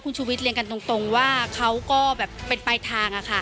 คุณชูวิทย์เรียนกันตรงว่าเขาก็แบบเป็นปลายทาง